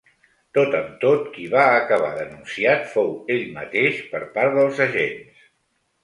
Tot amb tot, qui va acabar denunciat fou ell mateix, per part dels agents.